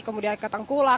kemudian ke tengkulak